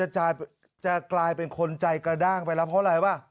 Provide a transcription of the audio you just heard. จะกลายเป็นคนใจกระด้างไปแล้วเพราะอะไรป่ะ